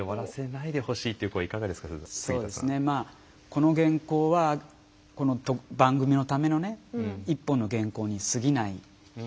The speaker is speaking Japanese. この原稿はこの番組のためのね１本の原稿にすぎないわけですよね。